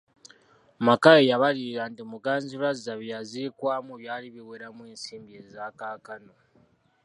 Mackay yabalirira nti Muganzirwazza bye yaziikwamu byali biweramu ensimbi eza kaakano.